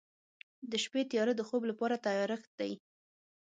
د شپې تیاره د خوب لپاره تیارښت دی.